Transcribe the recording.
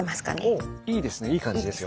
おおいいですねいい感じですよ。